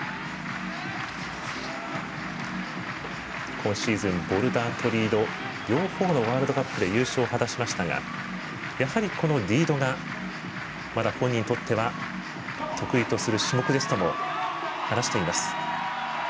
今シーズン、ボルダーとリード両方のワールドカップで優勝を果たしましたがやはり、このリードがまだ本人にとっては得意とする種目ですとも話しています。